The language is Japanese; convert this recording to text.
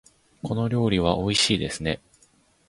この料理はおいしいですね。